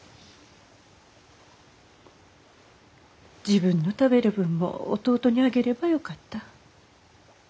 自分の食べる分も弟にあげればよかった。